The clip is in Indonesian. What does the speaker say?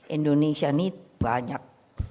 indonesia ini banyak